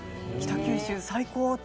北九州、最高！